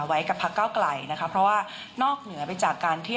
ไว้กับพักเก้าไกลนะคะเพราะว่านอกเหนือไปจากการที่